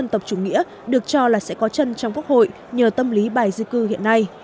dân tộc chủ nghĩa được cho là sẽ có chân trong quốc hội nhờ tâm lý bài di cư hiện nay